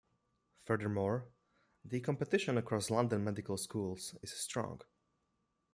Furthermore, the competition across London Medical Schools is strong.